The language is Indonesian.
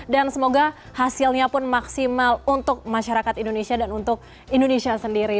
dan semoga hasilnya pun maksimal untuk masyarakat indonesia dan untuk indonesia sendiri